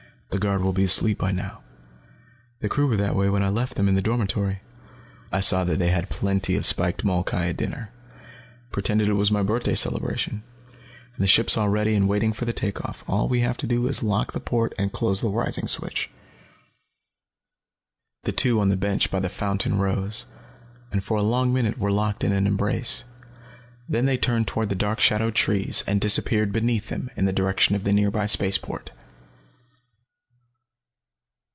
"The guard will be asleep by now. The crew were that way when I left them, in the dormitory. I saw that they had plenty of spiked molkai at dinner. Pretended it was my birthday celebration. And the ship's all ready and waiting for the take off. All we have to do is lock the port and close the rising switch." The two on the bench by the fountain rose, and for a long minute were locked in an embrace. Then they turned toward the dark shadowed trees and disappeared beneath them, in the direction of the nearby space port.